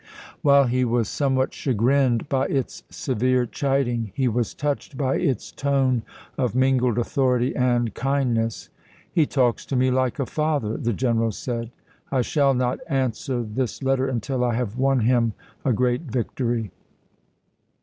While he was some what chagrined by its severe chiding he was touched by its tone of mingled authority and kind ness. " He talks to me like a father," the general said. " I shall not answer this letter until I have won him a great victory."